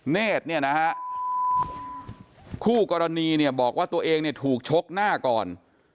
เนธคู่กรณีบอกว่าตัวเองถูกชกหน้าก่อน